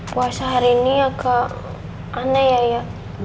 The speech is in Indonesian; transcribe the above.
puasa hari ini agak aneh ya ya